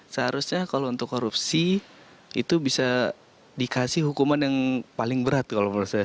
seharusnya kalau untuk korupsi itu bisa dikasih hukuman yang paling berat kalau menurut saya